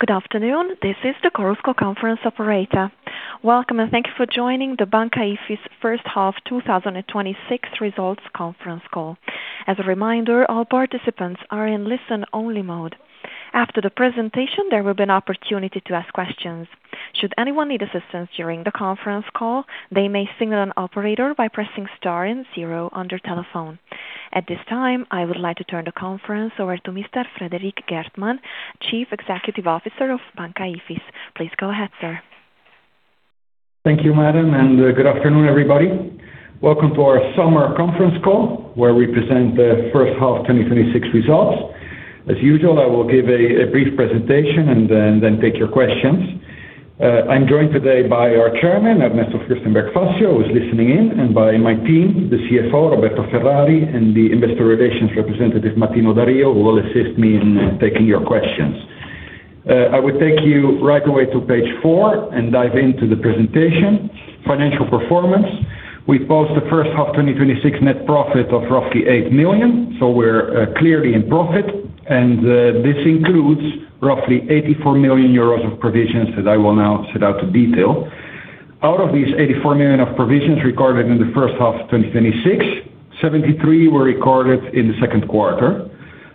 Good afternoon. This is the Chorus Call conference operator. Welcome, and thank you for joining the Banca Ifis First Half 2026 Results Conference Call. As a reminder, all participants are in listen-only mode. After the presentation, there will be an opportunity to ask questions. Should anyone need assistance during the conference call, they may signal an operator by pressing star and zero on their telephone. At this time, I would like to turn the conference over to Mr. Frederik Geertman, Chief Executive Officer of Banca Ifis. Please go ahead, sir. Thank you, madam. Good afternoon, everybody. Welcome to our summer conference call, where we present the first half 2026 results. As usual, I will give a brief presentation and then take your questions. I'm joined today by our Chairman, Ernesto Fürstenberg Fassio, who's listening in, and by my team, the CFO, Roberto Ferrari, and the Investor Relations representative, Martino Da Rio, who will assist me in taking your questions. I would take you right away to page four and dive into the presentation. Financial performance. We post the first half 2026 net profit of roughly 8 million. We're clearly in profit, and this includes roughly 84 million euros of provisions that I will now set out to detail. Out of these 84 million of provisions recorded in the first half of 2026, 73 million were recorded in the second quarter.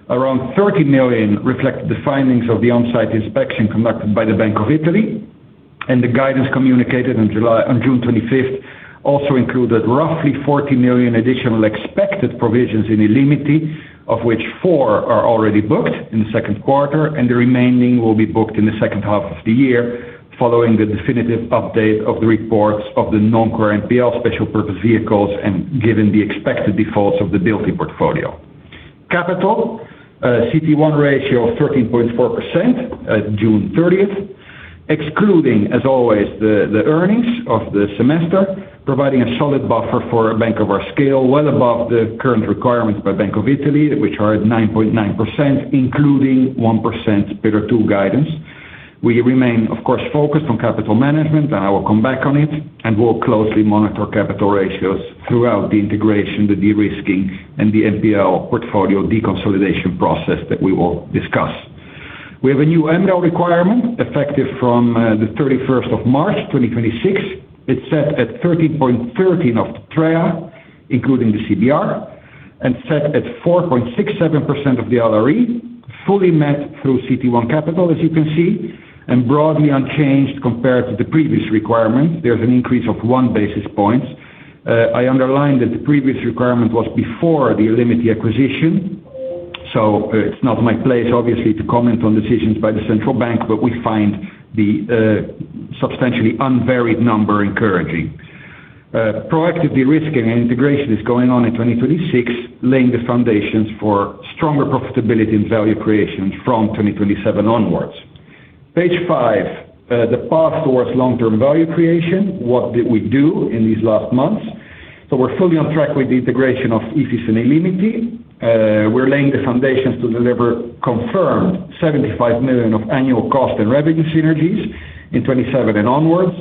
Around 30 million reflected the findings of the on-site inspection conducted by the Bank of Italy. The guidance communicated on June 25th also included roughly 40 million additional expected provisions in illimity, of which four are already booked in the second quarter, and the remaining will be booked in the second half of the year following the definitive update of the reports of the non-core NPL special purpose vehicles and given the expected defaults of the b-ilty portfolio. Capital, CET1 ratio of 13.4% at June 30th. Excluding, as always, the earnings of the semester, providing a solid buffer for a bank of our scale, well above the current requirements by Bank of Italy, which are at 9.9%, including 1% Pillar 2 Guidance. We remain, of course, focused on capital management. I will come back on it, and we'll closely monitor capital ratios throughout the integration, the de-risking, and the NPL portfolio deconsolidation process that we will discuss. We have a new MREL requirement effective from the 31st of March 2026. It's set at 13.13% of TREA, including the CBR, and set at 4.67% of the LRE, fully met through CET1 capital, as you can see, broadly unchanged compared to the previous requirement. There's an increase of one basis point. I underline that the previous requirement was before the illimity acquisition. It's not my place, obviously, to comment on decisions by the central bank, but we find the substantially unvaried number encouraging. Proactive de-risking and integration is going on in 2026, laying the foundations for stronger profitability and value creation from 2027 onwards. Page five, the path towards long-term value creation, what did we do in these last months? We're fully on track with the integration of Ifis and illimity. We're laying the foundations to deliver confirmed 75 million of annual cost and revenue synergies in 2027 and onwards.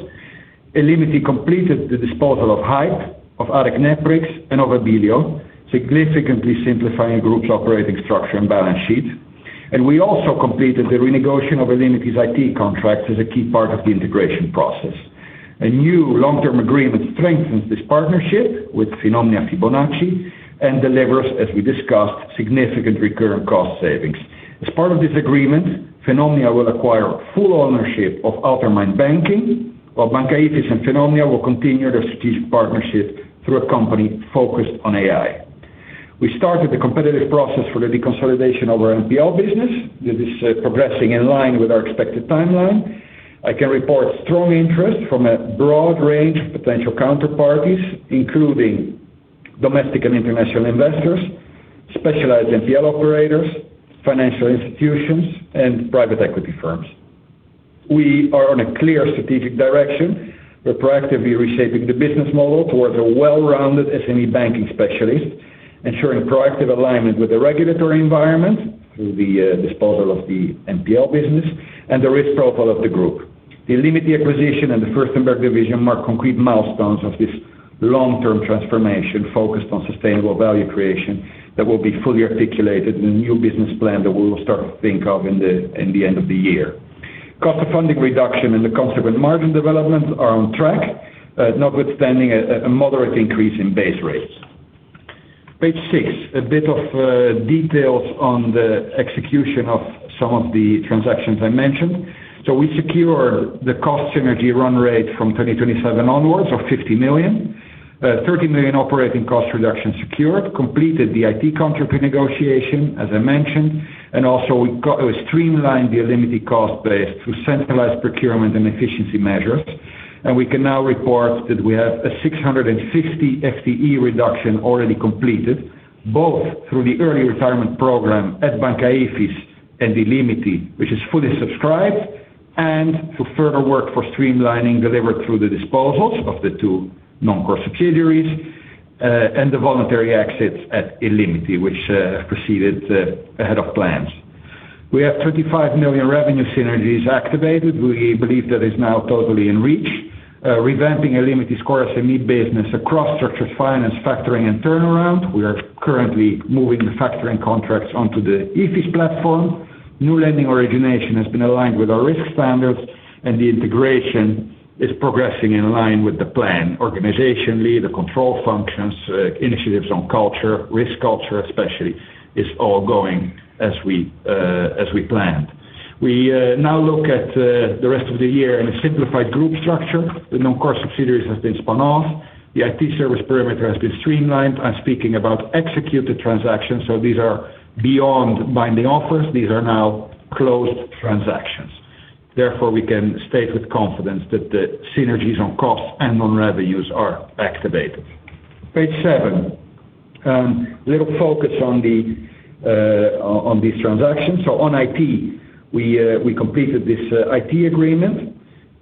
illimity completed the disposal of Hype, of ARECneprix, and of Abilio, significantly simplifying group's operating structure and balance sheet. We also completed the renegotiation of illimity's IT contracts as a key part of the integration process. A new long-term agreement strengthens this partnership with Finomnia/Fibonacci and delivers, as we discussed, significant recurrent cost savings. As part of this agreement, Finomnia will acquire full ownership of altermAInd Banking, while Banca Ifis and Finomnia will continue their strategic partnership through a company focused on AI. We started the competitive process for the deconsolidation of our NPL business. This is progressing in line with our expected timeline. I can report strong interest from a broad range of potential counterparties, including domestic and international investors, specialized NPL operators, financial institutions, and private equity firms. We are on a clear strategic direction. We're proactively reshaping the business model towards a well-rounded SME banking specialist, ensuring proactive alignment with the regulatory environment through the disposal of the NPL business and the risk profile of the group. The illimity acquisition and the Fürstenberg division mark concrete milestones of this long-term transformation focused on sustainable value creation that will be fully articulated in a new business plan that we will start to think of in the end of the year. Cost of funding reduction and the consequent margin developments are on track, notwithstanding a moderate increase in base rates. Page six, a bit of details on the execution of some of the transactions I mentioned. We secured the cost synergy run rate from 2027 onwards of 50 million. 30 million operating cost reduction secured, completed the IT contract renegotiation, as I mentioned. We also streamlined the illimity cost base through centralized procurement and efficiency measures. We can now report that we have a 650 FTE reduction already completed, both through the early retirement program at Banca Ifis and illimity, which is fully subscribed, and through further work for streamlining delivered through the disposals of the two non-core subsidiaries, and the voluntary exits at illimity, which proceeded ahead of plans. We have 25 million revenue synergies activated. We believe that is now totally in reach. Revamping illimity's core SME business across structured finance, factoring, and turnaround. We are currently moving the factoring contracts onto the Ifis platform. New lending origination has been aligned with our risk standards. The integration is progressing in line with the plan. Organizationally, the control functions, initiatives on culture, risk culture especially, is all going as we planned. We now look at the rest of the year in a simplified group structure. The non-core subsidiaries have been spun off. The IT service perimeter has been streamlined. I'm speaking about executed transactions, so these are beyond binding offers. These are now closed transactions. Therefore, we can state with confidence that the synergies on costs and on revenues are activated. Page seven. A little focus on these transactions. On IT, we completed this IT agreement,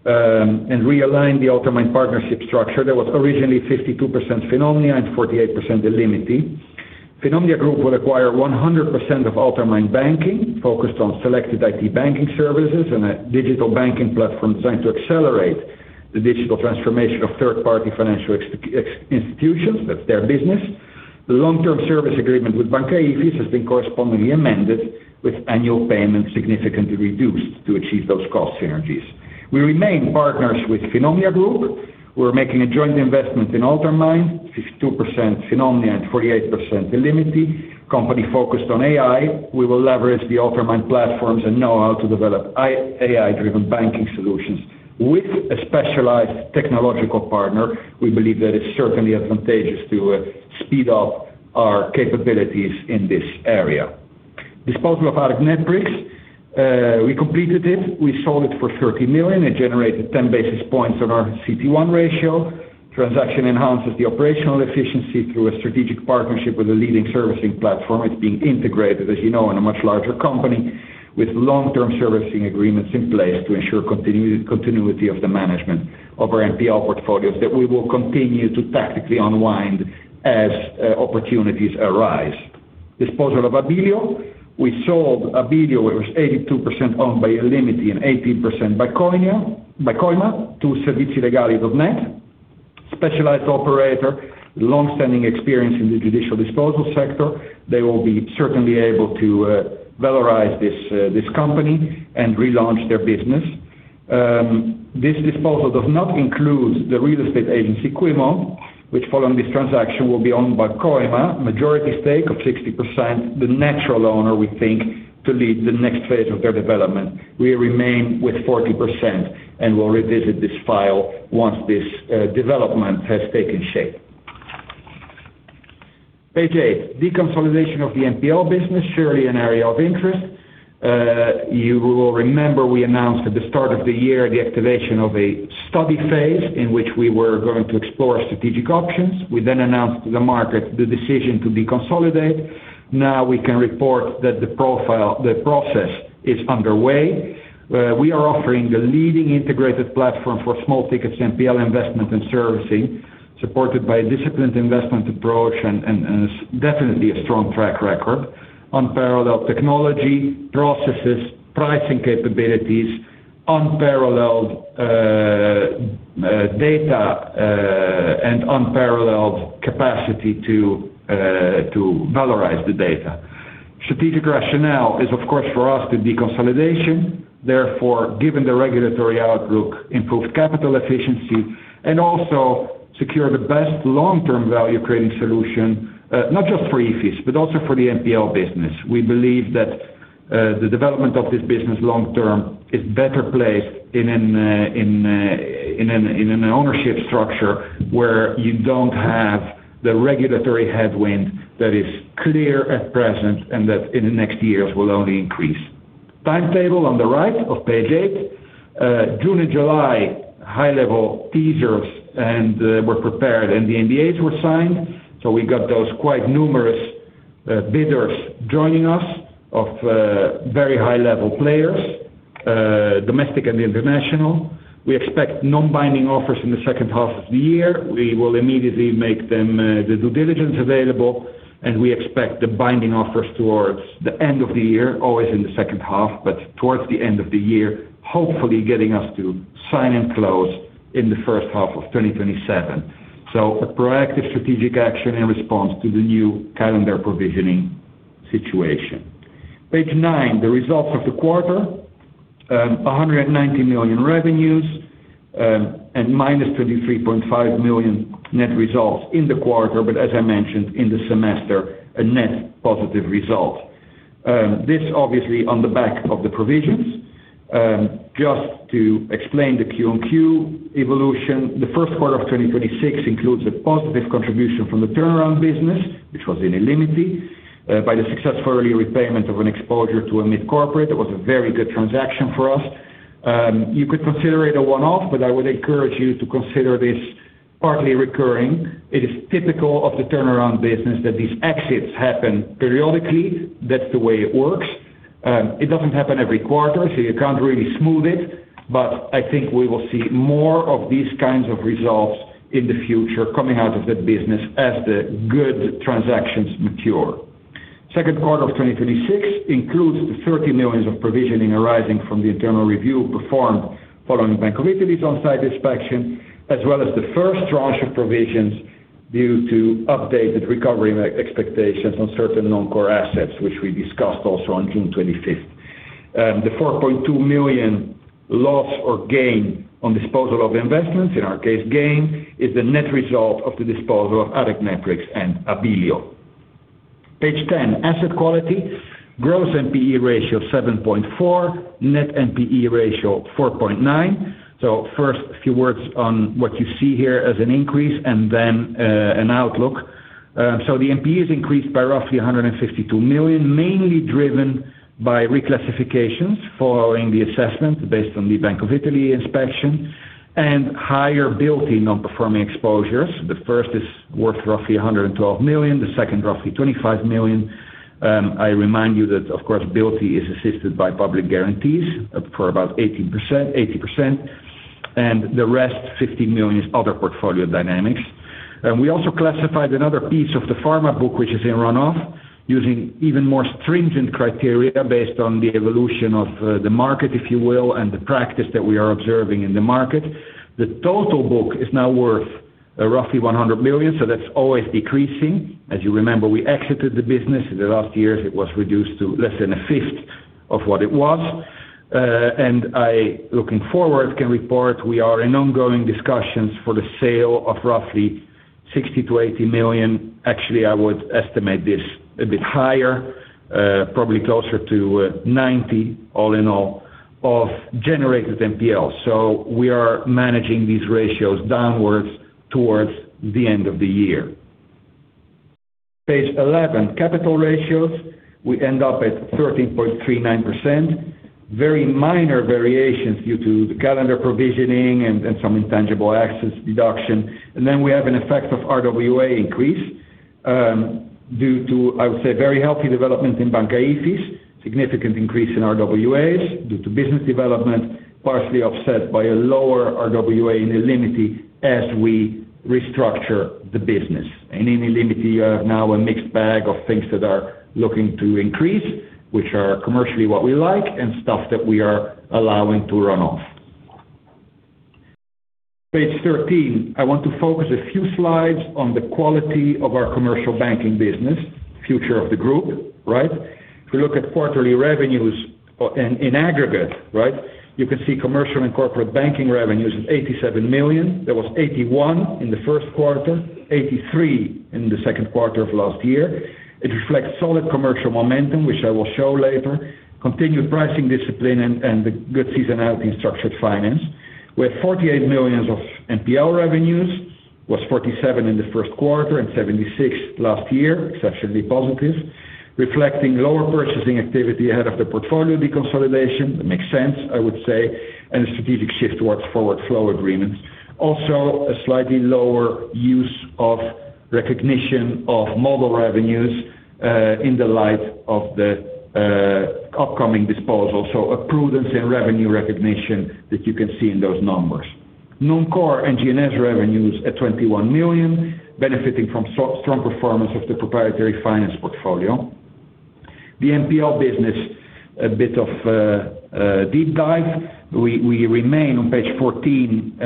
and realigned the altermAInd partnership structure that was originally 52% Finomnia and 48% illimity. Finomnia Group will acquire 100% of altermAInd Banking, focused on selected IT banking services and a digital banking platform designed to accelerate the digital transformation of third-party financial institutions. That's their business. The long-term service agreement with Banca Ifis has been correspondingly amended, with annual payments significantly reduced to achieve those cost synergies. We remain partners with Finomnia Group, who are making a joint investment in altermAInd, 52% Finomnia and 48% illimity, a company focused on AI. We will leverage the altermAInd platforms and know-how to develop AI-driven banking solutions with a specialized technological partner. We believe that it's certainly advantageous to speed up our capabilities in this area. Disposal of ARECneprix. We completed it. We sold it for 30 million. It generated 10 basis points on our CET1 ratio. Transaction enhances the operational efficiency through a strategic partnership with a leading servicing platform. It's being integrated, as you know, in a much larger company, with long-term servicing agreements in place to ensure continuity of the management of our NPL portfolios that we will continue to tactically unwind as opportunities arise. Disposal of Abilio. We sold Abilio. It was 82% owned by illimity and 18% by COIMA, to Servizilegali.net, a specialized operator with longstanding experience in the judicial disposal sector. They will be certainly able to valorize this company and relaunch their business. This disposal does not include the real estate agency, Quimmo, which following this transaction, will be owned by COIMA, majority stake of 60%, the natural owner, we think, to lead the next phase of their development. We remain with 40% and will revisit this file once this development has taken shape. Page eight, deconsolidation of the NPL business, surely an area of interest. You will remember we announced at the start of the year the activation of a study phase, in which we were going to explore strategic options. We then announced to the market the decision to deconsolidate. Now we can report that the process is underway. We are offering a leading integrated platform for small-ticket NPL investment and servicing, supported by a disciplined investment approach, and definitely a strong track record, unparalleled technology, processes, pricing capabilities, unparalleled data, and unparalleled capacity to valorize the data. Strategic rationale is, of course, for us to deconsolidation, therefore, given the regulatory outlook, improve capital efficiency, and also secure the best long-term value-creating solution, not just for Ifis, but also for the NPL business. We believe that the development of this business long term is better placed in an ownership structure, where you don't have the regulatory headwind that is clear at present, and that in the next years will only increase. Timetable on the right of page eight. June and July, high-level teasers were prepared, and the NDAs were signed. We got those quite numerous bidders joining us of very high-level players, domestic and international. We expect non-binding offers in the second half of the year. We will immediately make them the due diligence available, and we expect the binding offers towards the end of the year, always in the second half, but towards the end of the year, hopefully getting us to sign and close in the first half of 2027. A proactive strategic action in response to the new calendar provisioning situation. Page nine, the results of the quarter. 190 million revenues, and -23.5 million net results in the quarter, but as I mentioned in the semester, a net positive result. This obviously on the back of the provisions. Just to explain the QoQ evolution, the first quarter of 2026 includes a positive contribution from the turnaround business, which was in illimity, by the successful early repayment of an exposure to a mid-corporate. It was a very good transaction for us. You could consider it a one-off, but I would encourage you to consider this partly recurring. It is typical of the turnaround business that these exits happen periodically. That's the way it works. It doesn't happen every quarter, so you can't really smooth it, but I think we will see more of these kinds of results in the future coming out of that business as the good transactions mature. Second quarter of 2026 includes the 30 million of provisioning arising from the internal review performed following Bank of Italy's on-site inspection, as well as the first tranche of provisions due to updated recovery expectations on certain non-core assets, which we discussed also on June 25th. The 4.2 million loss or gain on disposal of investments, in our case, gain, is the net result of the disposal of ARECneprix and Abilio. Page 10, Asset quality. Gross NPE ratio 7.4%, net NPE ratio 4.9%. First, a few words on what you see here as an increase and then an outlook. The NPE has increased by roughly 152 million, mainly driven by reclassifications following the assessment based on the Bank of Italy inspection and higher b-ilty non-performing exposures. The first is worth roughly 112 million, the second roughly 25 million. I remind you that, of course, b-ilty is assisted by public guarantees for about 80%, and the rest, 15 million, is other portfolio dynamics. We also classified another piece of the pharma book, which is in runoff, using even more stringent criteria based on the evolution of the market, if you will, and the practice that we are observing in the market. The total book is now worth roughly 100 million, so that's always decreasing. As you remember, we exited the business. In the last years, it was reduced to less than a fifth of what it was. I, looking forward, can report we are in ongoing discussions for the sale of roughly 60 million-80 million. Actually, I would estimate this a bit higher, probably closer to 90 million all in all, of generated NPL. We are managing these ratios downwards towards the end of the year. Page 11, capital ratios. We end up at 13.39%. Very minor variations due to the calendar provisioning and some intangible access deduction. Then we have an effect of RWA increase due to, I would say, very healthy development in Banca Ifis, significant increase in RWAs due to business development, partially offset by a lower RWA in illimity as we restructure the business. In illimity, you have now a mixed bag of things that are looking to increase, which are commercially what we like, and stuff that we are allowing to run off. Page 13. I want to focus a few slides on the quality of our commercial banking business, future of the group, right? If you look at quarterly revenues in aggregate, you can see commercial and corporate banking revenues is 87 million. That was 81 million in the first quarter, 83 million in the second quarter of last year. It reflects solid commercial momentum, which I will show later, continued pricing discipline and the good seasonality in structured finance. We had 48 million of NPL revenues, was 47 million in the first quarter and 76 million last year, exceptionally positive, reflecting lower purchasing activity ahead of the portfolio deconsolidation. That makes sense, I would say, and a strategic shift towards forward flow agreements. Also, a slightly lower use of recognition of model revenues in the light of the upcoming disposal. A prudence in revenue recognition that you can see in those numbers. Non-core and G&S revenues at 21 million, benefiting from strong performance of the proprietary finance portfolio. The NPL business, a bit of a deep dive. We remain, on page 14,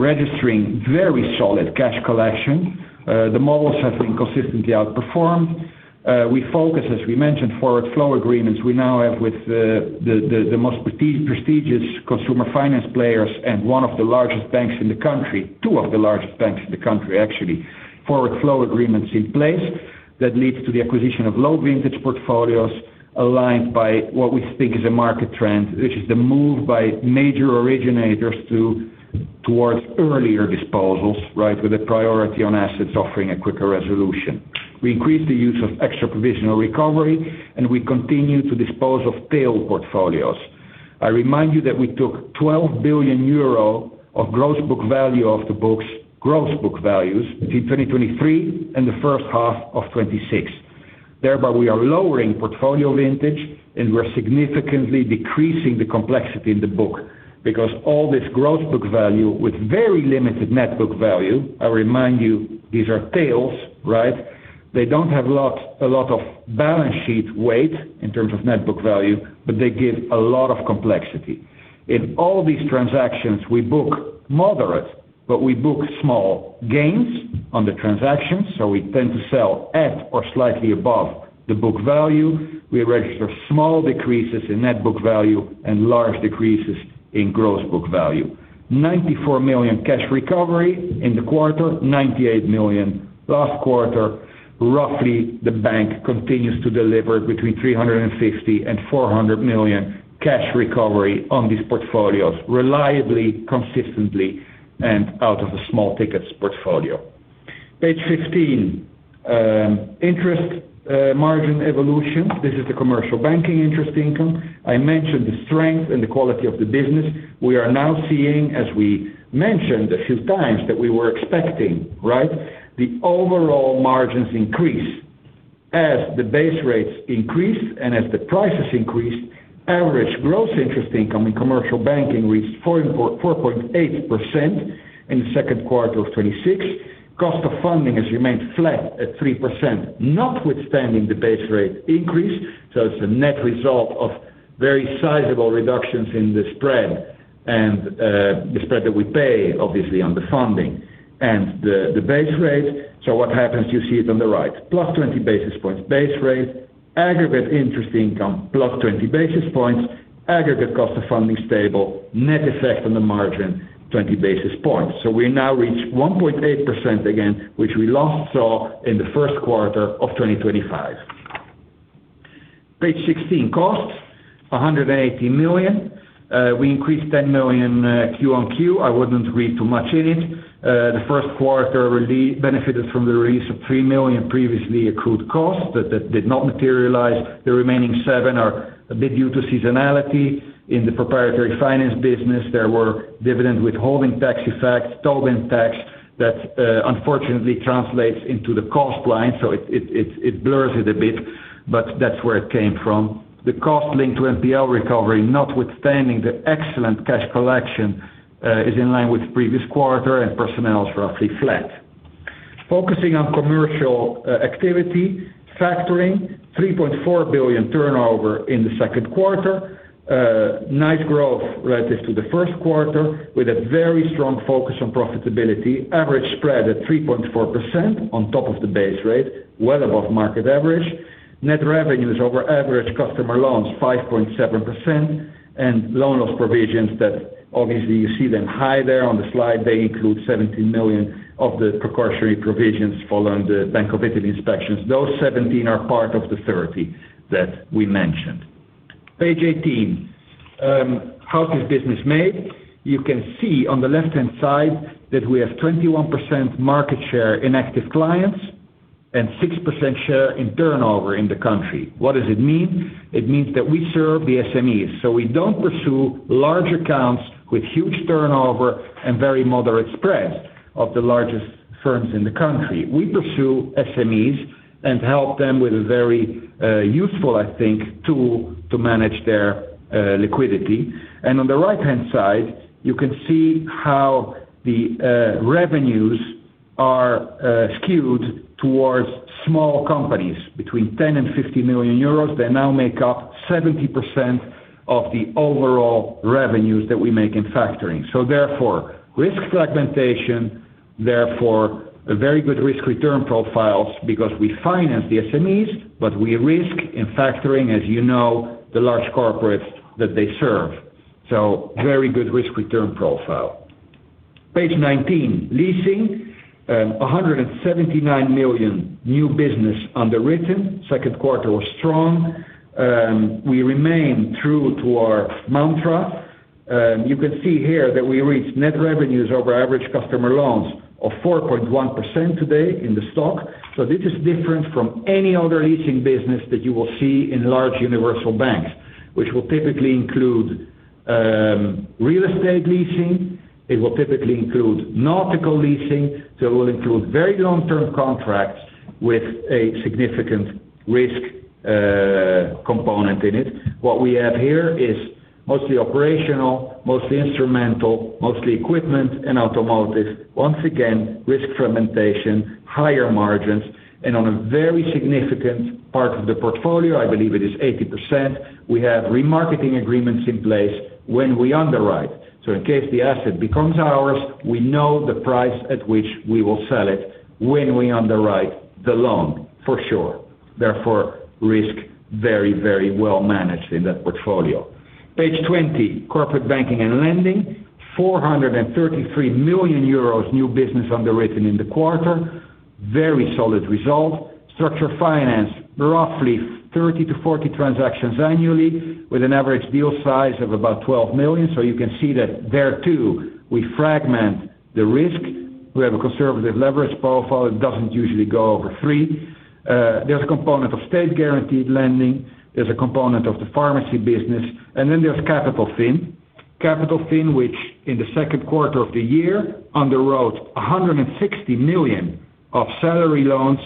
registering very solid cash collection. The models have been consistently outperformed. We focus, as we mentioned, forward flow agreements. We now have with the most prestigious consumer finance players and one of the largest banks in the country, two of the largest banks in the country, actually, forward flow agreements in place. That leads to the acquisition of low-vintage portfolios aligned by what we think is a market trend, which is the move by major originators towards earlier disposals, with a priority on assets offering a quicker resolution. We increased the use of extra provisional recovery, and we continue to dispose of tail portfolios. I remind you that we took 12 billion euro of gross book value off the books, gross book values, in 2023 and the first half of 2026. Thereby, we are lowering portfolio vintage, and we're significantly decreasing the complexity in the book, because all this gross book value with very limited net book value, I remind you, these are tails, they don't have a lot of balance sheet weight in terms of net book value, but they give a lot of complexity. In all these transactions, we book moderate, but we book small gains on the transactions, so we tend to sell at or slightly above the book value. We register small decreases in net book value and large decreases in gross book value. 94 million cash recovery in the quarter, 98 million last quarter. Roughly, the bank continues to deliver between 350 million and 400 million cash recovery on these portfolios reliably, consistently, and out of the small tickets portfolio. Page 15. Interest margin evolution. This is the commercial banking interest income. I mentioned the strength and the quality of the business. We are now seeing, as we mentioned a few times, that we were expecting the overall margins increase. As the base rates increase and as the prices increase, average gross interest income in commercial banking reached 4.8% in the second quarter of 2026. Cost of funding has remained flat at 3%, notwithstanding the base rate increase. It's the net result of very sizable reductions in the spread that we pay, obviously, on the funding and the base rate. What happens, you see it on the right, +20 basis points base rate, aggregate interest income +20 basis points, aggregate cost of funding stable, net effect on the margin 20 basis points. We now reach 1.8% again, which we last saw in the first quarter of 2025. Page 16, costs, 118 million. We increased 10 million QoQ. I wouldn't read too much in it. The first quarter really benefited from the release of 3 million previously accrued costs that did not materialize. The remaining 7 million are a bit due to seasonality. In the proprietary finance business, there were dividend withholding tax effects, Tobin tax that, unfortunately, translates into the cost line. It blurs it a bit, but that's where it came from. The cost linked to NPL recovery, notwithstanding the excellent cash collection, is in line with the previous quarter and personnel is roughly flat. Focusing on commercial activity, factoring 3.4 billion turnover in the second quarter. Nice growth relative to the first quarter with a very strong focus on profitability. Average spread at 3.4% on top of the base rate, well above market average. Net revenues over average customer loans, 5.7%, and loan loss provisions that obviously you see them high there on the slide. They include 17 million of the precautionary provisions following the Bank of Italy inspections. Those 17 million are part of the 30 million that we mentioned. Page 18. How this business is made. You can see on the left-hand side that we have 21% market share in active clients and 6% share in turnover in the country. What does it mean? It means that we serve the SMEs. We don't pursue large accounts with huge turnover and very moderate spreads of the largest firms in the country. We pursue SMEs and help them with a very useful, I think, tool to manage their liquidity. On the right-hand side, you can see how the revenues are skewed towards small companies between 10 million and 50 million euros. They now make up 70% of the overall revenues that we make in factoring. Therefore, risk fragmentation, therefore, a very good risk-return profile because we finance the SMEs, but we risk in factoring, as you know, the large corporates that they serve. Very good risk return profile. Page 19, leasing. 179 million new business underwritten. Second quarter was strong. We remain true to our mantra. You can see here that we reached net revenues over average customer loans of 4.1% today in the stock. This is different from any other leasing business that you will see in large universal banks, which will typically include real estate leasing, it will typically include nautical leasing. It will include very long-term contracts with a significant risk component in it. What we have here is mostly operational, mostly instrumental, mostly equipment and automotive. Once again, risk fragmentation, higher margins, and on a very significant part of the portfolio, I believe it is 80%, we have remarketing agreements in place when we underwrite. In case the asset becomes ours, we know the price at which we will sell it when we underwrite the loan for sure. Therefore, risk very well managed in that portfolio. Page 20, corporate banking and lending. 433 million euros new business underwritten in the quarter. Very solid result. Structural finance, roughly 30-40 transactions annually with an average deal size of about 12 million. You can see that there, too, we fragment the risk. We have a conservative leverage profile. It doesn't usually go over three. There's a component of state-guaranteed lending. There's a component of the pharmacy business, and then there's Capitalfin. Capitalfin, which in the second quarter of the year underwrote 160 million of salary loans.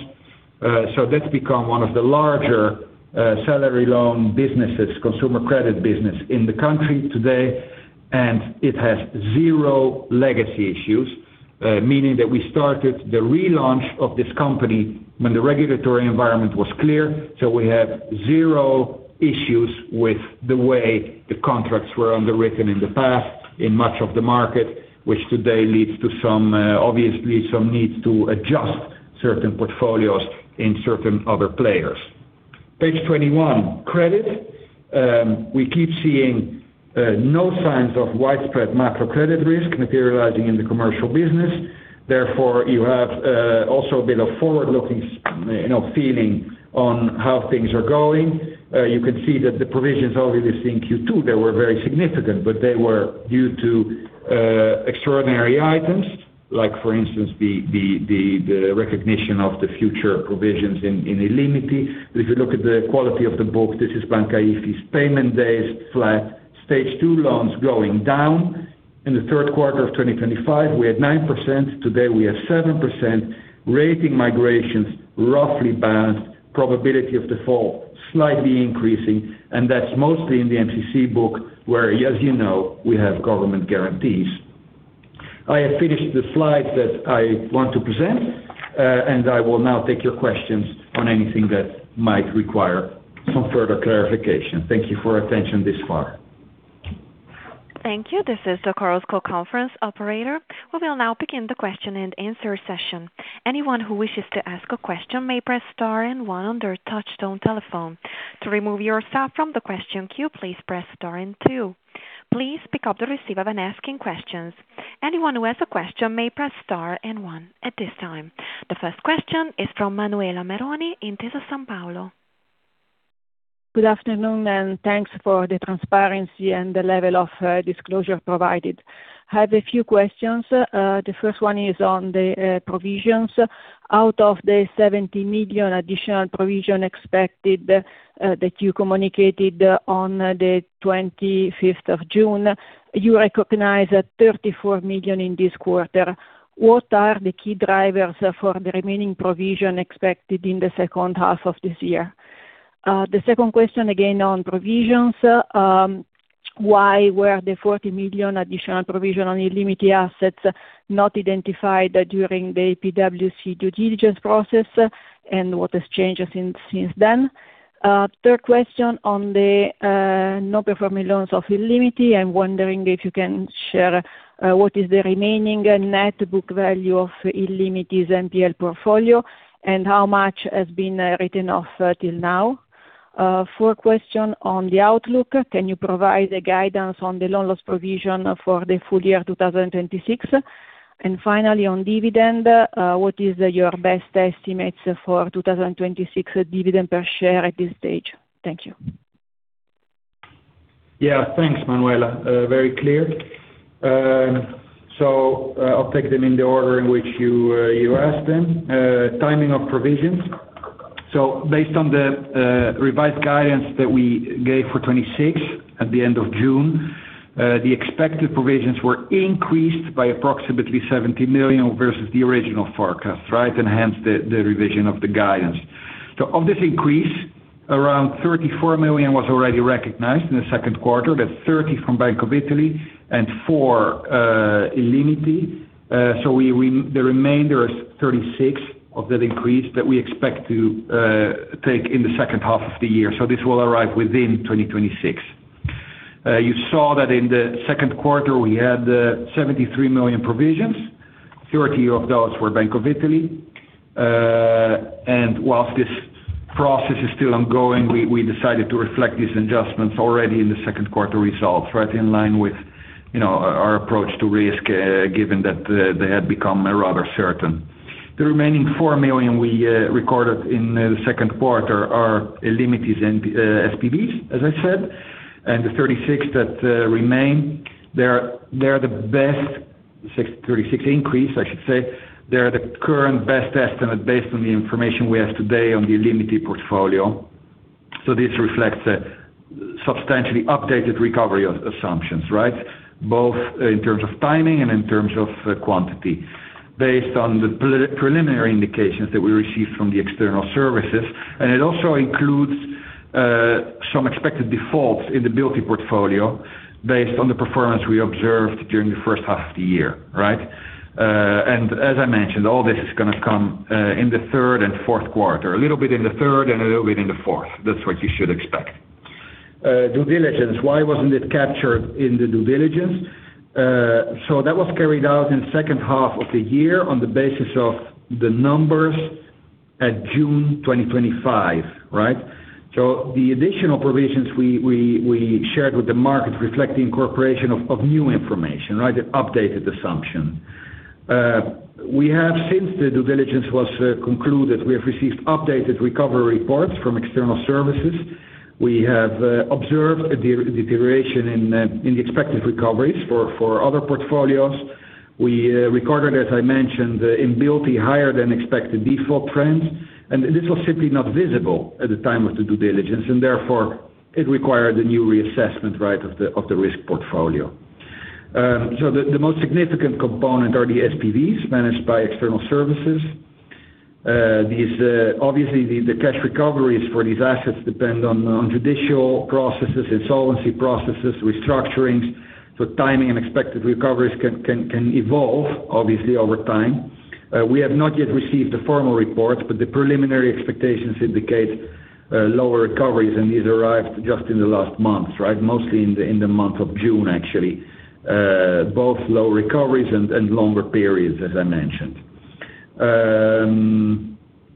That's become one of the larger salary loan businesses, consumer credit business in the country today. It has zero legacy issues, meaning that we started the relaunch of this company when the regulatory environment was clear. We have zero issues with the way the contracts were underwritten in the past in much of the market, which today leads to, obviously, some needs to adjust certain portfolios in certain other players. Page 21, credit. We keep seeing no signs of widespread macro credit risk materializing in the commercial business. Therefore, you have also a bit of forward-looking feeling on how things are going. You can see that the provisions already seen in Q2, they were very significant. They were due to extraordinary items, like for instance, the recognition of the future provisions in illimity. If you look at the quality of the book, this is Banca Ifis payment days flat, Stage 2 loans going down. In the third quarter of 2025, we had 9%, today we have 7%, rating migrations roughly balanced, probability of default slightly increasing, and that's mostly in the MCC book where, as you know, we have government guarantees. I have finished the slides that I want to present, and I will now take your questions on anything that might require some further clarification. Thank you for attention this far. Thank you. This is the Chorus Call Conference operator. We will now begin the question and answer session. Anyone who wishes to ask a question may press star and one on their touchtone telephone. To remove yourself from the question queue, please press star and two. Please pick up the receiver when asking questions. Anyone who has a question may press star and one at this time. The first question is from Manuela Meroni, Intesa Sanpaolo. Good afternoon, and thanks for the transparency and the level of disclosure provided. I have a few questions. The first one is on the provisions. Out of the 70 million additional provision expected that you communicated on the 25th of June. You recognize 34 million in this quarter. What are the key drivers for the remaining provision expected in the second half of this year? The second question, again on provisions. Why were the 40 million additional provision on illimity assets not identified during the PwC due diligence process, and what has changed since then? Third question on the non-performing loans of illimity. I'm wondering if you can share what is the remaining net book value of illimity's NPL portfolio and how much has been written off till now. Fourth question on the outlook. Can you provide a guidance on the loan loss provision for the full year 2026? What is your best estimates for 2026 dividend per share at this stage? Thank you. Thanks, Manuela. Very clear. I'll take them in the order in which you asked them. Timing of provisions. Based on the revised guidance that we gave for 2026 at the end of June, the expected provisions were increased by approximately 70 million versus the original forecast, right? Hence the revision of the guidance. Of this increase, around 34 million was already recognized in the second quarter. That's 30 million from Bank of Italy and 4 million illimity. The remainder is 36 million of that increase that we expect to take in the second half of the year. This will arrive within 2026. You saw that in the second quarter, we had 73 million provisions. 30 million of those were Bank of Italy. Whilst this process is still ongoing, we decided to reflect these adjustments already in the second quarter results. Right in line with our approach to risk, given that they had become rather certain. The remaining 4 million we recorded in the second quarter are illimity's SPVs, as I said, and the 36 million that remain, they are the best, 36 million increase, I should say. They are the current best estimate based on the information we have today on the illimity portfolio. This reflects a substantially updated recovery of assumptions, right? Both in terms of timing and in terms of quantity. Based on the preliminary indications that we received from the external services, and it also includes some expected defaults in the b-ilty portfolio based on the performance we observed during the first half of the year, right? As I mentioned, all this is going to come in the third and fourth quarter. A little bit in the third and a little bit in the fourth. That's what you should expect. Due diligence. Why wasn't it captured in the due diligence? That was carried out in second half of the year on the basis of the numbers at June 2025, right? The additional provisions we shared with the market reflect the incorporation of new information. The updated assumption. Since the due diligence was concluded, we have received updated recovery reports from external services. We have observed a deterioration in the expected recoveries for other portfolios. We recorded, as I mentioned, in b-ilty, higher than expected default trends, and this was simply not visible at the time of the due diligence, therefore, it required a new reassessment of the risk portfolio. The most significant component are the SPVs managed by external services. Obviously, the cash recoveries for these assets depend on judicial processes, insolvency processes, restructurings. Timing and expected recoveries can evolve obviously over time. We have not yet received a formal report, but the preliminary expectations indicate lower recoveries, and these arrived just in the last month. Mostly in the month of June, actually. Both low recoveries and longer periods, as I mentioned.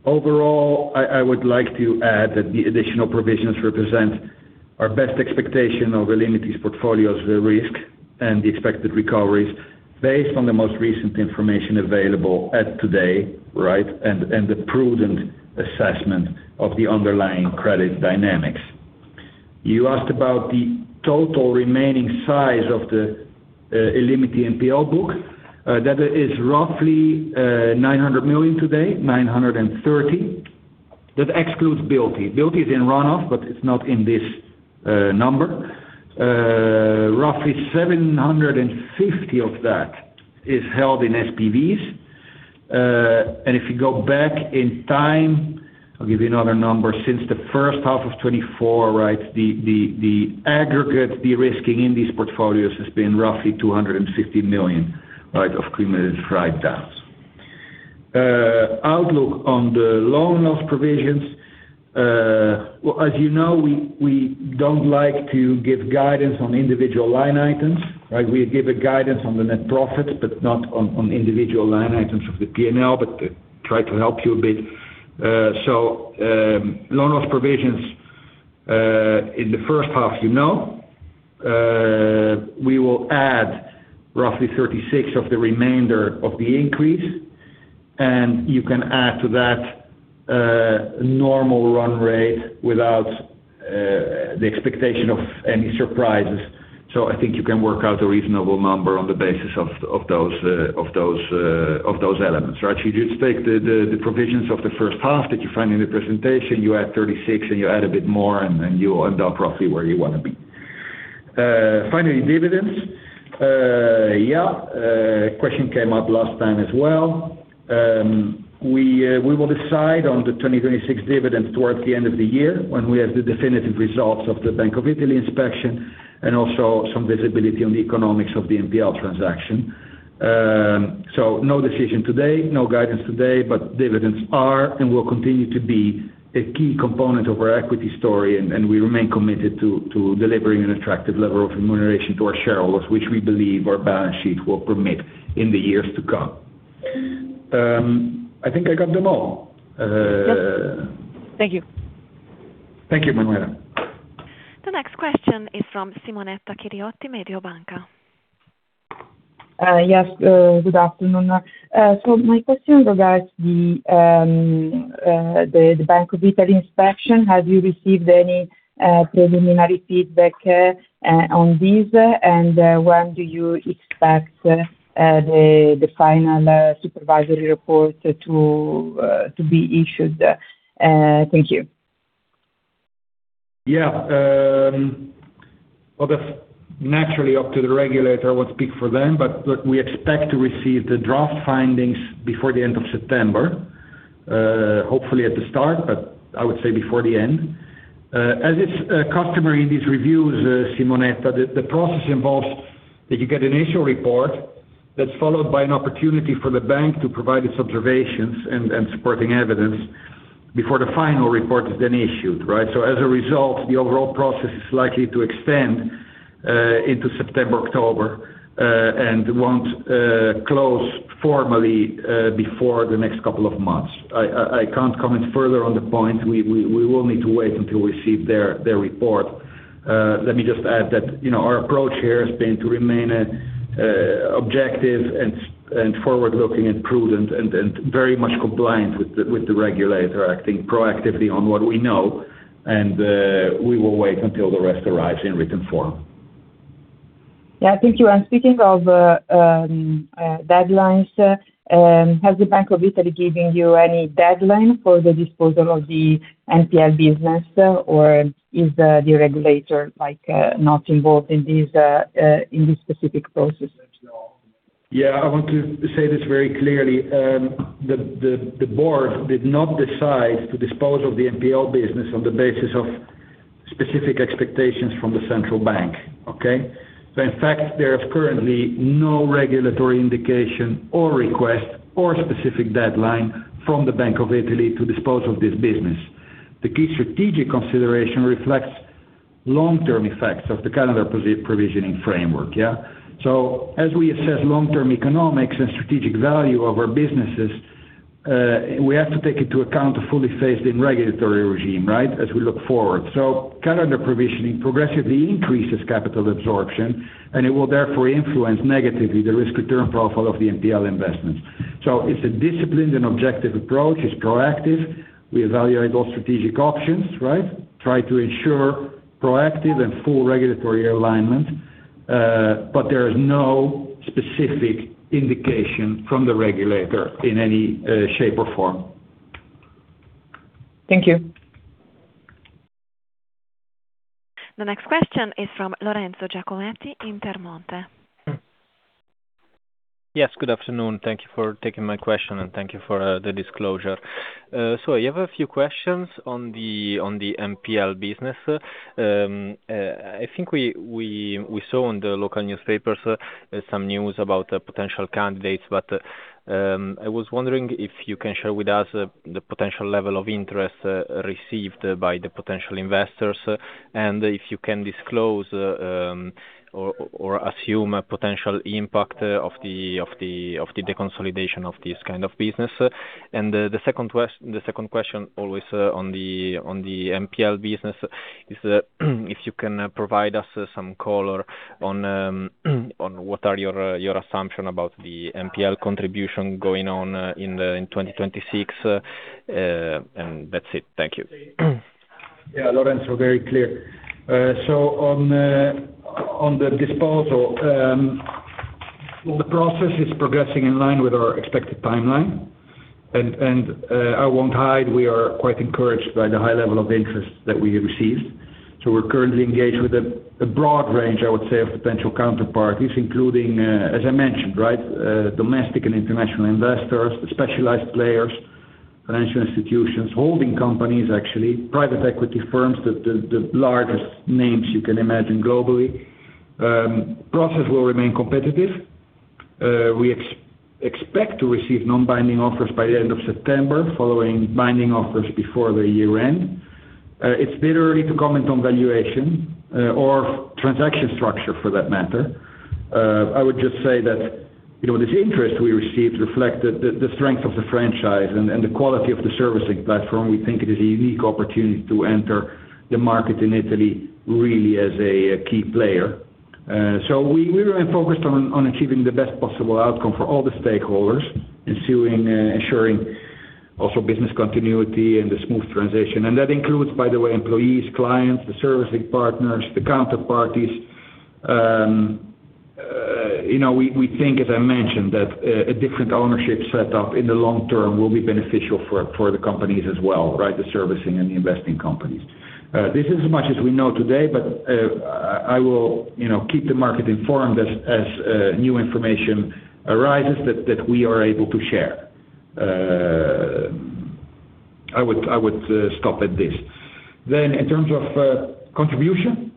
Overall, I would like to add that the additional provisions represent our best expectation of illimity's portfolio's risk and the expected recoveries based on the most recent information available at today, and the prudent assessment of the underlying credit dynamics. You asked about the total remaining size of the illimity NPL book. That is roughly 900 million today, 930 million. That excludes b-ilty. b-ilty is in run-off, but it's not in this number. Roughly 750 million of that is held in SPVs. If you go back in time, I'll give you another number. Since the first half of 2024, the aggregate de-risking in these portfolios has been roughly 250 million of cumulative write-downs. Outlook on the loan loss provisions. As you know, we don't like to give guidance on individual line items. We give a guidance on the net profit, but not on individual line items of the P&L, but try to help you a bit. Loan loss provisions, in the first half, you know. We will add roughly 36 million of the remainder of the increase, and you can add to that normal run rate without the expectation of any surprises. I think you can work out a reasonable number on the basis of those elements. You just take the provisions of the first half that you find in the presentation, you add 36 million and you add a bit more, and you end up roughly where you want to be. Finally, dividends. Yeah. Question came up last time as well. We will decide on the 2026 dividends towards the end of the year when we have the definitive results of the Bank of Italy inspection and also some visibility on the economics of the NPL transaction. No decision today, no guidance today, but dividends are and will continue to be a key component of our equity story, and we remain committed to delivering an attractive level of remuneration to our shareholders, which we believe our balance sheet will permit in the years to come. I think I got them all. Yep. Thank you. Thank you, Manuela. The next question is from Simonetta Chiriotti, Mediobanca. Yes, good afternoon. My question regards the Bank of Italy inspection. Have you received any preliminary feedback on this? When do you expect the final supervisory report to be issued? Thank you. Yeah. Well, that's naturally up to the regulator, I won't speak for them. Look, we expect to receive the draft findings before the end of September. Hopefully at the start, but I would say before the end. As it's customary in these reviews, Simonetta, the process involves that you get an initial report that's followed by an opportunity for the bank to provide its observations and supporting evidence before the final report is then issued. As a result, the overall process is likely to extend into September, October, and won't close formally before the next couple of months. I can't comment further on the point. We will need to wait until we receive their report. Let me just add that our approach here has been to remain objective and forward-looking and prudent and very much compliant with the regulator, acting proactively on what we know, and we will wait until the rest arrives in written form. Yeah, thank you. Speaking of deadlines, has the Bank of Italy given you any deadline for the disposal of the NPL business, or is the regulator not involved in this specific process at all? Yeah, I want to say this very clearly. The board did not decide to dispose of the NPL business on the basis of specific expectations from the central bank. Okay? In fact, there is currently no regulatory indication or request or specific deadline from the Bank of Italy to dispose of this business. The key strategic consideration reflects long-term effects of the calendar provisioning framework. Yeah? As we assess long-term economics and strategic value of our businesses, we have to take into account a fully phased-in regulatory regime as we look forward. Calendar provisioning progressively increases capital absorption, and it will therefore influence negatively the risk return profile of the NPL investments. It's a disciplined and objective approach. It's proactive. We evaluate all strategic options. Try to ensure proactive and full regulatory alignment. There is no specific indication from the regulator in any shape or form. Thank you. The next question is from Lorenzo Giacometti, Intermonte. Yes, good afternoon. Thank you for taking my question, and thank you for the disclosure. I have a few questions on the NPL business. I think we saw in the local newspapers some news about potential candidates, but I was wondering if you can share with us the potential level of interest received by the potential investors and if you can disclose or assume a potential impact of the deconsolidation of this kind of business. The second question, always on the NPL business, is if you can provide us some color on what are your assumptions about the NPL contribution going on in 2026. That's it. Thank you. Lorenzo, very clear. On the disposal, the process is progressing in line with our expected timeline. I won't hide, we are quite encouraged by the high level of interest that we have received. We're currently engaged with a broad range, I would say, of potential counterparties, including, as I mentioned, domestic and international investors, specialized players, financial institutions, holding companies, actually, private equity firms, the largest names you can imagine globally. The process will remain competitive. We expect to receive non-binding offers by the end of September, following binding offers before the year end. It's a bit early to comment on valuation or transaction structure for that matter. I would just say that this interest we received reflect the strength of the franchise and the quality of the servicing platform. We think it is a unique opportunity to enter the market in Italy really as a key player. We remain focused on achieving the best possible outcome for all the stakeholders, ensuring also business continuity and the smooth transition. That includes, by the way, employees, clients, the servicing partners, the counterparties. We think, as I mentioned, that a different ownership set up in the long term will be beneficial for the companies as well, the servicing and the investing companies. This is as much as we know today, but I will keep the market informed as new information arises that we are able to share. I would stop at this. In terms of contribution.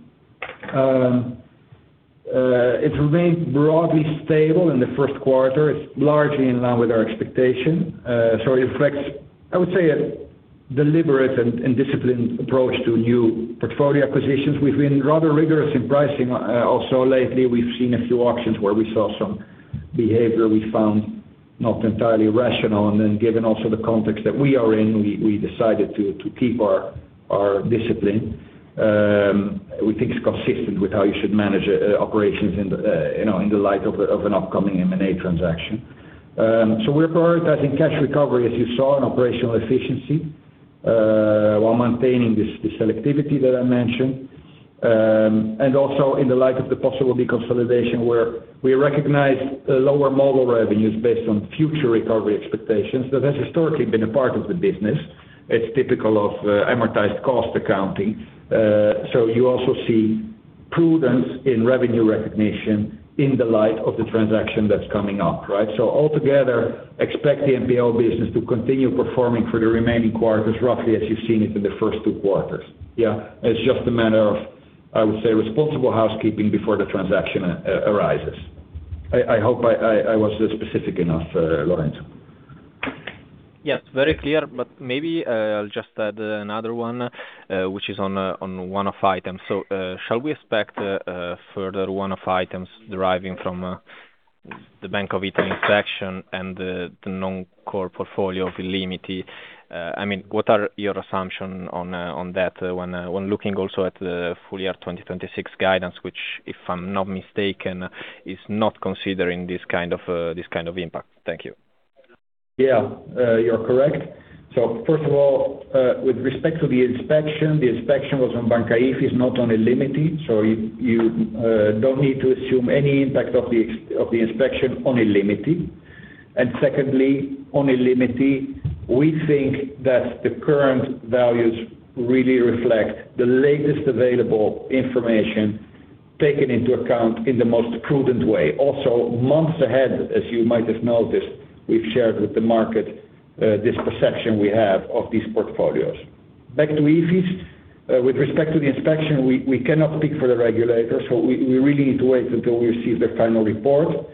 It remained broadly stable in the first quarter. It's largely in line with our expectation. It reflects, I would say, a deliberate and disciplined approach to new portfolio acquisitions. We've been rather rigorous in pricing. Also lately, we've seen a few auctions where we saw some behavior we found not entirely rational. Given also the context that we are in, we decided to keep our discipline. We think it's consistent with how you should manage operations in the light of an upcoming M&A transaction. We're prioritizing cash recovery, as you saw, and operational efficiency, while maintaining the selectivity that I mentioned. In the light of the possible deconsolidation, where we recognize lower model revenues based on future recovery expectations. That has historically been a part of the business. It's typical of amortized cost accounting. You also see prudence in revenue recognition in the light of the transaction that's coming up. Altogether, expect the NPL business to continue performing for the remaining quarters, roughly as you've seen it in the first two quarters. Yeah. It's just a matter of, I would say, responsible housekeeping before the transaction arises. I hope I was specific enough, Lorenzo. Yes, very clear, but maybe I'll just add another one, which is on one-off items. Shall we expect further one-off items deriving from the Bank of Italy inspection and the non-core portfolio of illimity? What are your assumption on that when looking also at the full year 2026 guidance, which, if I'm not mistaken, is not considering this kind of impact? Thank you. Yeah. You're correct. First of all, with respect to the inspection, the inspection was on Banca Ifis, not on illimity. You don't need to assume any impact of the inspection on illimity. Secondly, on illimity, we think that the current values really reflect the latest available information taken into account in the most prudent way. Also, months ahead, as you might have noticed, we've shared with the market this perception we have of these portfolios. Back to Ifis. With respect to the inspection, we cannot speak for the regulators. We really need to wait until we receive their final report.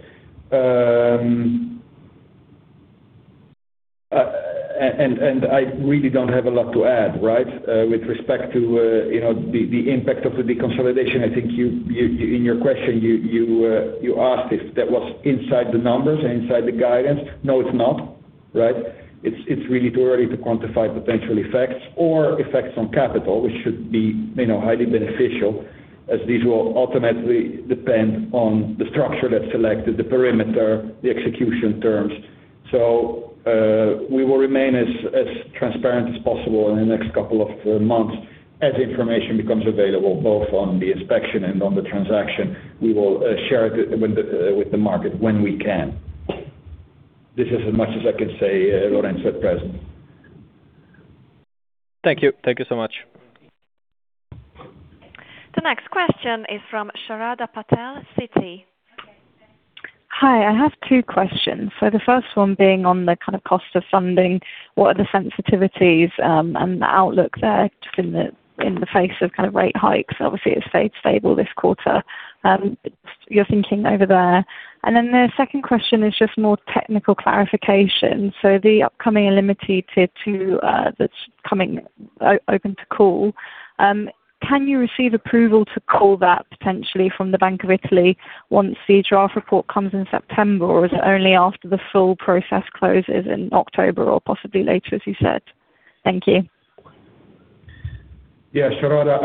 I really don't have a lot to add. With respect to the impact of the deconsolidation, I think in your question, you asked if that was inside the numbers, inside the guidance. No, it's not. It's really too early to quantify potential effects or effects on capital, which should be highly beneficial, as these will ultimately depend on the structure that's selected, the perimeter, the execution terms. We will remain as transparent as possible in the next couple of months as information becomes available, both on the inspection and on the transaction. We will share it with the market when we can. This is as much as I can say, Lorenzo, at present. Thank you. Thank you so much. The next question is from Sharada Patel, Citi. Hi, I have two questions. The first one being on the cost of funding. What are the sensitivities, and the outlook there just in the face of rate hikes? Obviously, it stayed stable this quarter. You're thinking over there. The second question is just more technical clarification. The upcoming illimity Tier 2 that's coming open to call. Can you receive approval to call that potentially from the Bank of Italy once the draft report comes in September? Or is it only after the full process closes in October or possibly later, as you said? Thank you. Yeah, Sharada.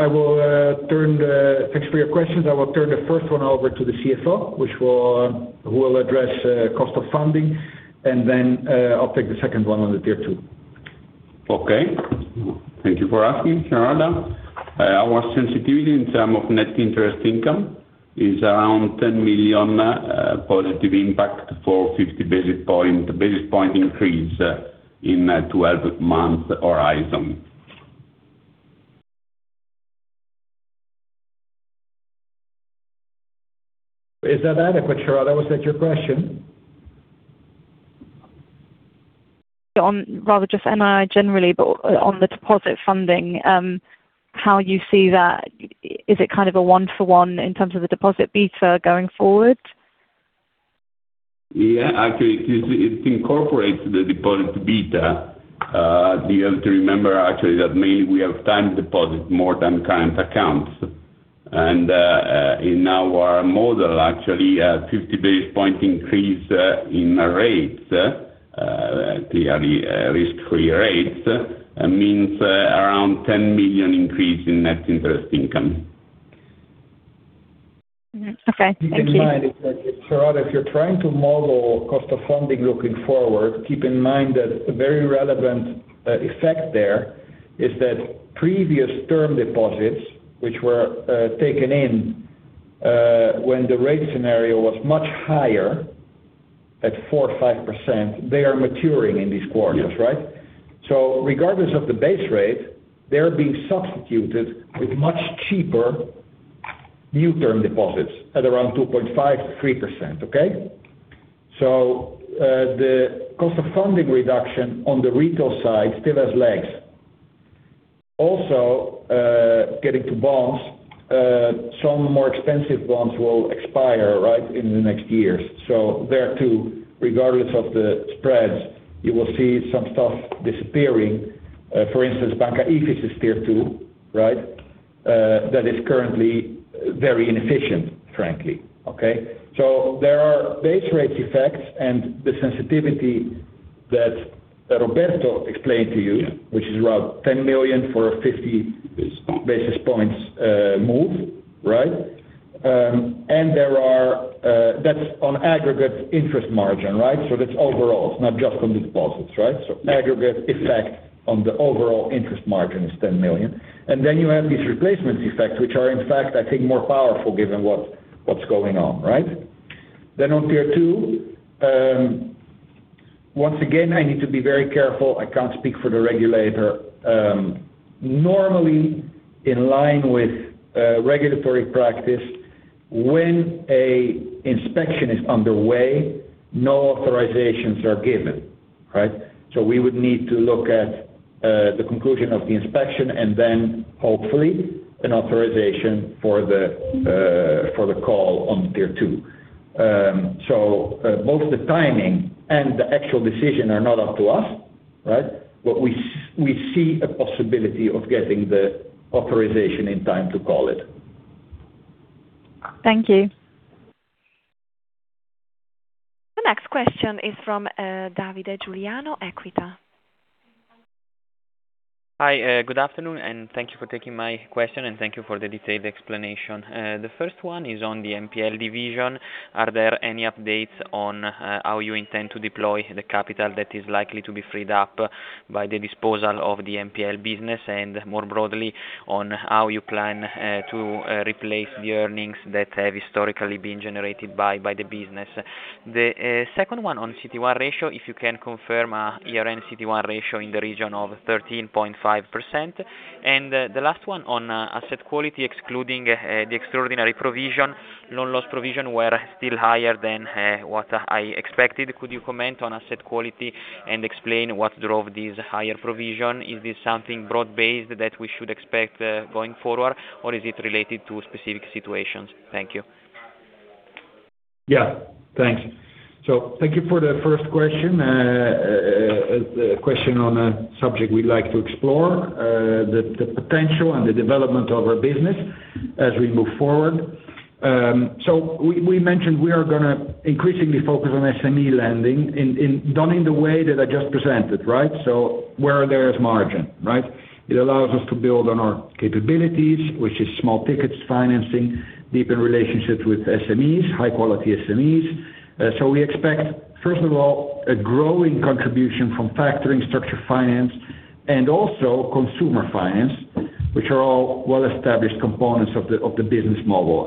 Thanks for your questions. I will turn the first one over to the CFO, who will address cost of funding, and then I'll take the second one on the Tier 2. Okay. Thank you for asking, Sharada. Our sensitivity in term of net interest income is around 10 million positive impact for 50 basis point increase in 12-month horizon. Is that adequate, Sharada? Was that your question? Rather just NII generally, but on the deposit funding, how you see that, is it a one for one in terms of the deposit beta going forward? Actually, it incorporates the deposit beta. You have to remember actually that mainly we have time deposit more than current accounts. In our model, actually, 50 basis point increase in rates, clearly risk-free rates, means around 10 million increase in net interest income. Okay. Thank you. Keep in mind, Sharada, if you're trying to model cost of funding looking forward, keep in mind that a very relevant effect there is that previous term deposits, which were taken in when the rate scenario was much higher, at 4%-5%, they are maturing in these quarters, right? Regardless of the base rate, they're being substituted with much cheaper new term deposits at around 2.5%-3%. Okay? The cost of funding reduction on the retail side still has legs. Also, getting to bonds, some more expensive bonds will expire, right, in the next years. There, too, regardless of the spreads, you will see some stuff disappearing. For instance, Banca Ifis is Tier 2, right? That is currently very inefficient, frankly. Okay? There are base rate effects and the sensitivity that Roberto explained to you. Yeah. Which is around 10 million for a 50- Basis point Basis points move, right? That's on aggregate interest margin, right? That's overall. It's not just on deposits, right? Aggregate effect on the overall interest margin is 10 million. You have these replacement effects, which are, in fact, I think, more powerful given what's going on, right? On Tier 2, once again, I need to be very careful. I can't speak for the regulator. Normally, in line with regulatory practice, when an inspection is underway, no authorizations are given. Right? We would need to look at the conclusion of the inspection and then hopefully an authorization for the call on Tier 2. Both the timing and the actual decision are not up to us, right? We see a possibility of getting the authorization in time to call it. Thank you. The next question is from Davide Giuliano, Equita. Hi, good afternoon. Thank you for taking my question, and thank you for the detailed explanation. The first one is on the NPL division. Are there any updates on how you intend to deploy the capital that is likely to be freed up by the disposal of the NPL business? More broadly on how you plan to replace the earnings that have historically been generated by the business. The second one on CET1 ratio, if you can confirm year-end CET1 ratio in the region of 13.5%. The last one on asset quality, excluding the extraordinary provision, loan loss provision were still higher than what I expected. Could you comment on asset quality and explain what drove this higher provision? Is this something broad-based that we should expect going forward, or is it related to specific situations? Thank you. Yeah. Thanks. Thank you for the first question. A question on a subject we like to explore, the potential and the development of our business as we move forward. We mentioned we are going to increasingly focus on SME lending and done in the way that I just presented, right? Where there is margin, right? It allows us to build on our capabilities, which is small tickets financing, deeper relationships with SMEs, high-quality SMEs. We expect, first of all, a growing contribution from factoring structured finance and also consumer finance, which are all well-established components of the business model.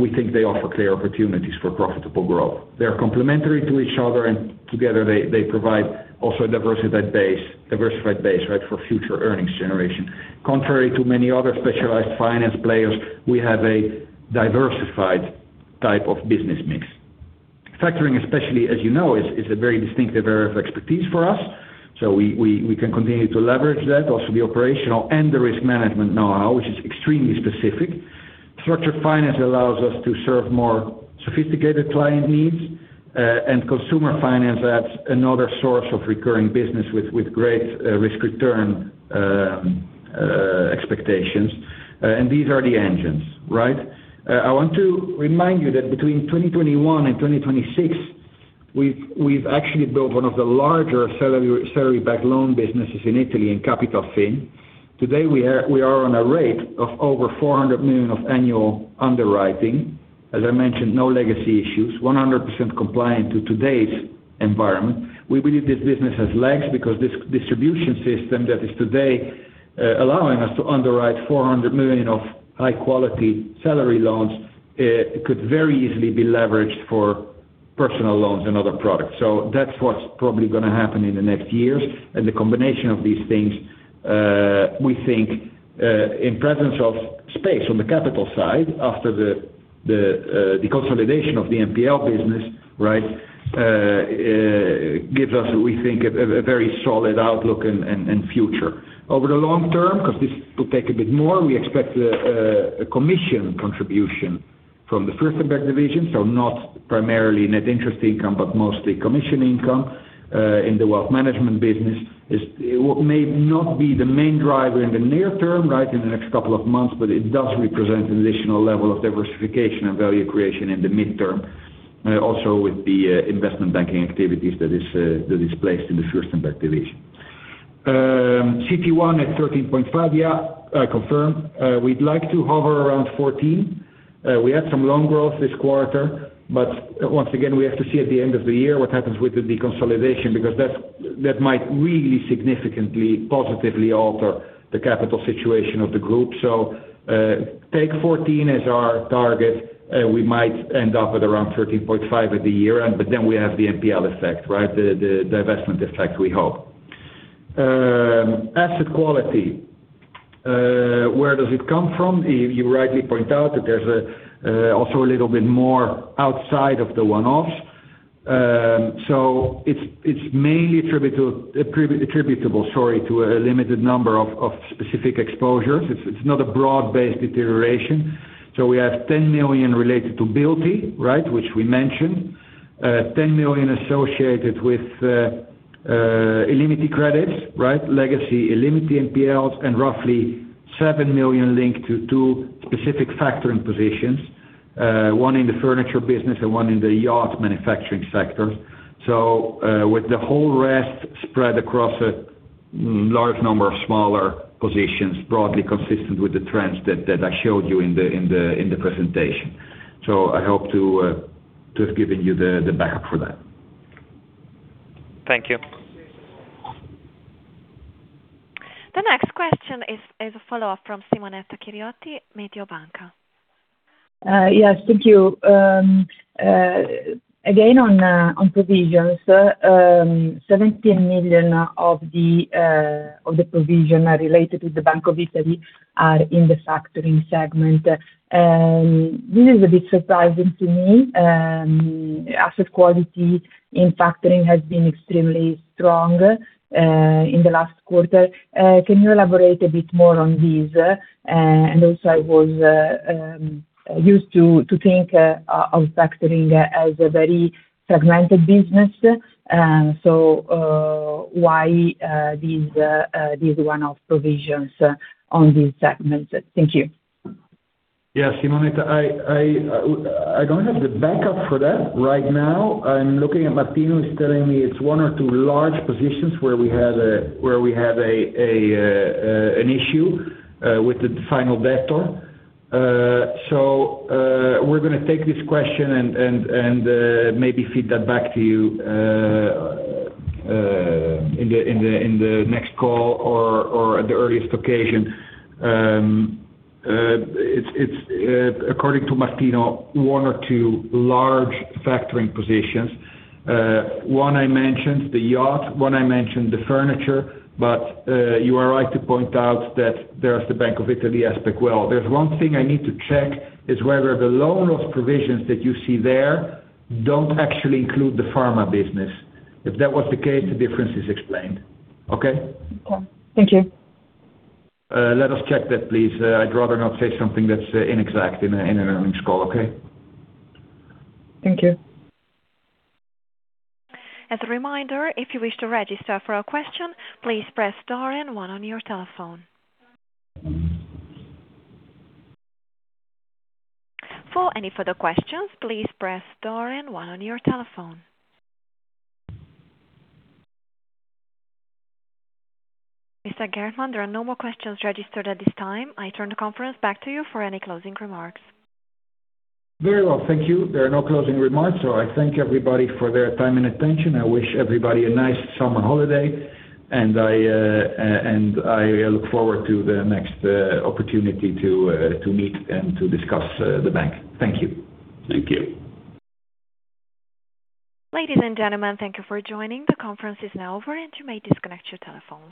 We think they offer clear opportunities for profitable growth. They're complementary to each other, and together they provide also a diversified base for future earnings generation. Contrary to many other specialized finance players, we have a diversified type of business mix. Factoring especially, as you know, is a very distinctive area of expertise for us. We can continue to leverage that. Also, the operational and the risk management know-how, which is extremely specific. Structured finance allows us to serve more sophisticated client needs. Consumer finance adds another source of recurring business with great risk return expectations. These are the engines, right? I want to remind you that between 2021 and 2026, we've actually built one of the larger salary backed loan businesses in Italy, in Capitalfin. Today, we are on a rate of over 400 million of annual underwriting. As I mentioned, no legacy issues, 100% compliant to today's environment. We believe this business has legs because this distribution system that is today allowing us to underwrite 400 million of high-quality salary loans, could very easily be leveraged for personal loans and other products. That's what's probably going to happen in the next years. The combination of these things, we think, in presence of space on the capital side, after the consolidation of the NPL business, gives us a very solid outlook and future. Over the long term, because this will take a bit more, we expect a commission contribution from the Fürstenberg division, not primarily net interest income, but mostly commission income in the wealth management business. It may not be the main driver in the near term, in the next couple of months, but it does represent an additional level of diversification and value creation in the midterm, also with the investment banking activities that is placed in the Fürstenberg division. CET1 at 13.5%, confirmed. We'd like to hover around 14%. We had some loan growth this quarter, once again, we have to see at the end of the year what happens with the deconsolidation, because that might really significantly positively alter the capital situation of the group. Take 14 as our target. We might end up at around 13.5% at the year-end, we have the NPL effect, the divestment effect, we hope. Asset quality. Where does it come from? You rightly point out that there's also a little bit more outside of the one-offs. It's mainly attributable to a limited number of specific exposures. It's not a broad-based deterioration. We have 10 million related to b-ilty, which we mentioned. 10 million associated with illimity credits. Legacy illimity NPLs, roughly 7 million linked to two specific factoring positions, one in the furniture business and one in the yacht manufacturing sector. With the whole rest spread across a large number of smaller positions, broadly consistent with the trends that I showed you in the presentation. I hope to have given you the backup for that. Thank you. The next question is a follow-up from Simonetta Chiriotti, Mediobanca. Yes. Thank you. Again, on provisions, 17 million of the provision related to the Bank of Italy are in the factoring segment. This is a bit surprising to me. Asset quality in factoring has been extremely strong in the last quarter. Can you elaborate a bit more on this? Also I was used to think of factoring as a very fragmented business. Why these one-off provisions on these segments? Thank you. Yeah, Simonetta, I don't have the backup for that right now. I'm looking at Martino, he's telling me it's one or two large positions where we had an issue with the final debtor. We're going to take this question and maybe feed that back to you in the next call or at the earliest occasion. It's according to Martino, one or two large factoring positions. One I mentioned, the yacht, one I mentioned, the furniture. You are right to point out that there's the Bank of Italy aspect. Well, there's one thing I need to check, is whether the loan loss provisions that you see there don't actually include the pharma business. If that was the case, the difference is explained. Okay? Okay. Thank you. Let us check that, please. I'd rather not say something that's inexact in an earnings call, okay? Thank you. As a reminder, if you wish to register for a question, please press star and one on your telephone. For any further questions, please press star and one on your telephone. Mr. Geertman, there are no more questions registered at this time. I turn the conference back to you for any closing remarks. Very well. Thank you. There are no closing remarks. I thank everybody for their time and attention. I wish everybody a nice summer holiday. I look forward to the next opportunity to meet and to discuss the bank. Thank you. Thank you. Ladies and gentlemen, thank you for joining. The conference is now over and you may disconnect your telephones.